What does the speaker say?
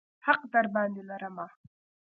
حق درباندې لرمه.